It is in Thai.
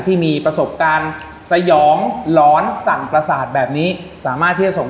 ที่มีประสบการณ์สยองหลอนสั่งประสาทแบบนี้สามารถที่จะส่ง